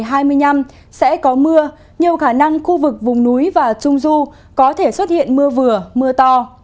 trong ngày hai mươi năm sẽ có mưa nhiều khả năng khu vực vùng núi và trung du có thể xuất hiện mưa vừa mưa to